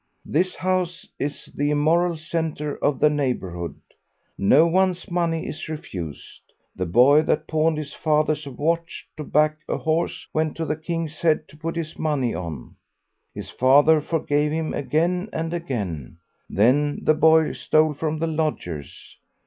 This house is the immoral centre of the neighbourhood. No one's money is refused. The boy that pawned his father's watch to back a horse went to the 'King's Head' to put his money on. His father forgave him again and again. Then the boy stole from the lodgers.